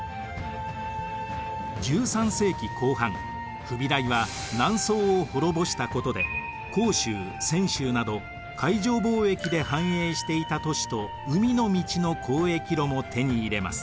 １３世紀後半フビライは南宋を滅ぼしたことで広州泉州など海上貿易で繁栄していた都市と海の道の交易路も手に入れます。